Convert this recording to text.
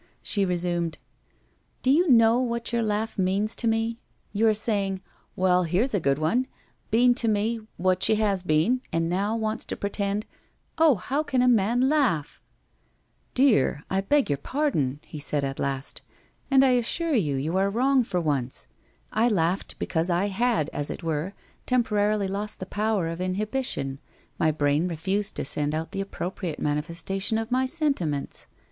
She resumed: * Do you know what your laugh means to me ? You are saying, " Well, here's a good one ! Been to me — what she has been, and now wants to pretend "— Oh how can a man laugh !'' Dear, I beg your pardon/ he said at last, ' and I assure you you are wrong for once! I laughed because I had, as it were, temporarily lost the power of inhibition, my brain refused to send out the appropriate manifes tation of my sentiments.